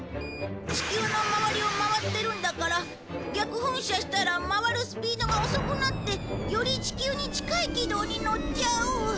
地球の周りを回ってるんだから逆噴射したら回るスピードが遅くなってより地球に近い軌道に乗っちゃう。